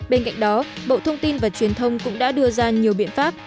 bên cạnh đó bộ thông tin và truyền thông cũng đã đưa ra nhiều biện pháp